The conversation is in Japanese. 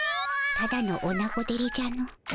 ただのおなごデレじゃの。